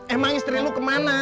emang istri lu kemana